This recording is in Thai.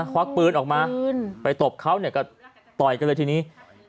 ควักปืนออกมาไปตบเขาเนี่ยก็ต่อยกันเลยทีนี้